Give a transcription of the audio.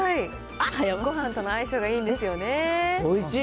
ごはんとの相性がいいんですよね。